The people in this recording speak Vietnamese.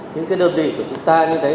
những cái đơn vị của chúng ta như thế